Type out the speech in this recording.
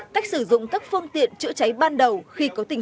cách sử dụng các phương tiện chữa cháy ban đầu khi có tình huống